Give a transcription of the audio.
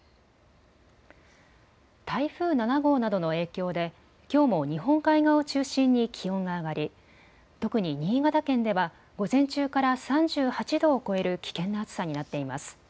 台風７号などの影響できょうも日本海側を中心に気温が上がり特に新潟県では午前中から３８度を超える危険な暑さになっています。